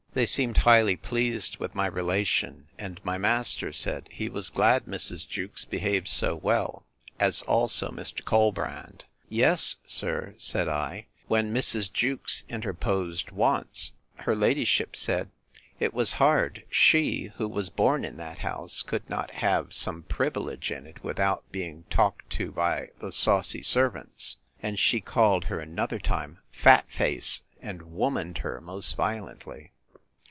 They seemed highly pleased with my relation; and my master said, he was glad Mrs. Jewkes behaved so well, as also Mr. Colbrand. Yes, sir, said I: when Mrs. Jewkes interposed once, her ladyship said, It was hard, she, who was born in that house, could not have some privilege in it, without being talked to by the saucy servants. And she called her another time fat face, and womaned her most violently.